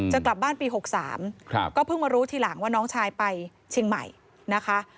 จะกลับบ้านปี๖๓ก็เพิ่งมารู้ทีหลังว่าน้องชายไปเชียงใหม่นะคะ